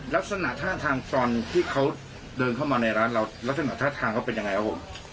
ลักษณะท่าทางตอนที่เขาเดินเข้ามาในร้านเราลักษณะท่าทางเขาเป็นยังไงครับผม